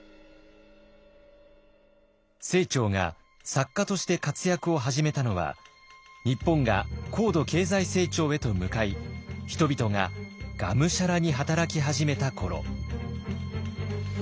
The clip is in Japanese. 清張が作家として活躍を始めたのは日本が高度経済成長へと向かい人々ががむしゃらに働き始めた頃。